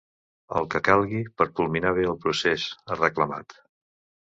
El que calgui per culminar bé el procés, ha reclamat.